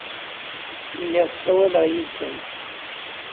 Lliɣ ssawaleɣ yid-sen.